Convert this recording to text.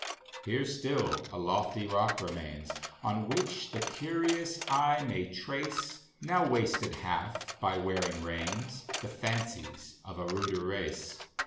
Here still a lofty rock remains, On which the curious eye may trace, (Now wasted half by wearing rains,) The fancies of a ruder race.